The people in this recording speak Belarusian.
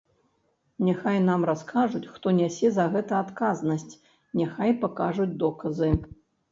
Няхай нам раскажуць, хто нясе за гэта адказнасць, няхай пакажуць доказы.